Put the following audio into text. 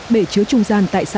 bể chứa trung gian tại nhà máy